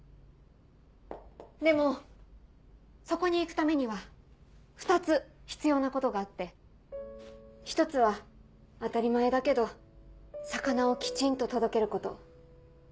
でもそこに行くためには２つ必要なことがあって一つは当たり前だけど魚をきちんと届けること。